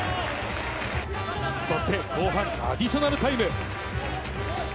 そして後半アディショナルタイム。